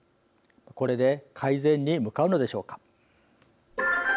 これで改善に向かうのでしょうか。